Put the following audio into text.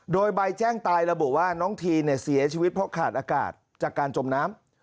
โดยใบแจ้งตายระบุว่าน้องทีนเสียชีวิตเพราะขาดอากาศจากการจมน้ำ